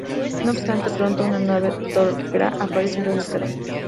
No obstante, pronto, una nave Tok'ra aparece y los rescata.